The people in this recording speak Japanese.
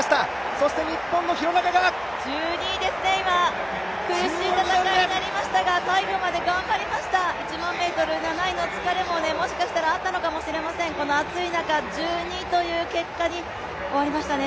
そして日本の廣中が１２位ですね、苦しみましたが最後まで頑張りました、１００００ｍ７位の疲れももしかしたらあったのかもしれません、この暑い中、１２位という結果に終わりましたね。